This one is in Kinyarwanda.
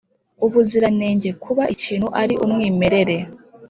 ubuziranenge: kuba ikintu ari umwimerere